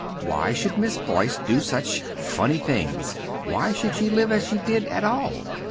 Why should Miss Boyce do such "funny things" why should she live as she did, at all?